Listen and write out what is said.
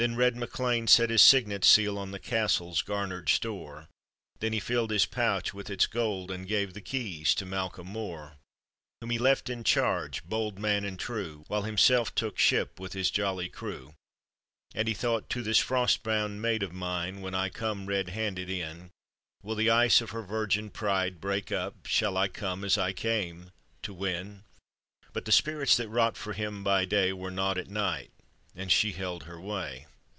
146 The red MacLean set his signet seal On the castle's garnered store, Then he filled his pouch with its gold, and gave The keys to Malcolm M6r, Whom he left in charge, bold man and true, While himself took ship with his jolly crew. And he thought: "To this frost bound maid of mine, When 1 come red handed in, Will the ice of her virgin pride break up, Shall I come as I came, to win?" But the spirits that wrought for him by day, Were nought at night; and she held her way.